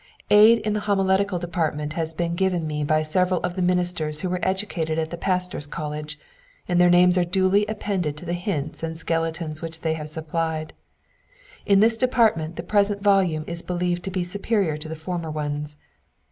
Aid in the homiletical department has been given me by several of the ministers who were educated at the Pastors' College, and their names are duly appended to the hints and skeletons which they have supplied. In this department the present volume is believed to be superior to the former ones.